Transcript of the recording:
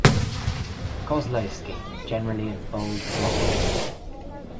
Kozlowski, generally in bold block letters.